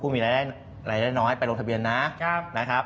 กูมีรายละด้าน้อยไปลงทะเบียนน้า